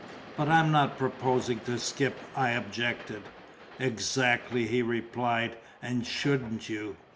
"But I'm not proposing to skip," I objected. "Exactly," he replied. "And shouldn't you?